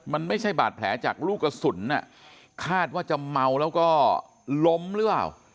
มันไม่ใช่บาดแผลจากลูกกระสุนคาดว่าจะเมาแล้วก็ล้มหรือเปล่า